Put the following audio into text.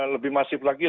lebih masif lagi